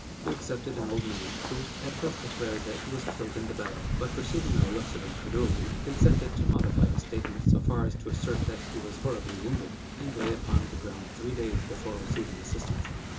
We accepted an old man, who, at first declared that he was killed in the battle, but perceiving our looks of incredulity, consented to modify his statement so far as to assert that he was horribly wounded, and lay upon the ground three days before receiving assistance.